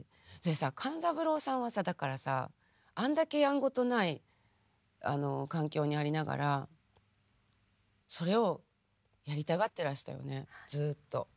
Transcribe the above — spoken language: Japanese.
勘三郎さんはさだからさあんだけやんごとないあの環境にありながらそれをやりたがっていらしたよねずっと。